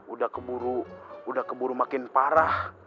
udah keburu udah keburu makin parah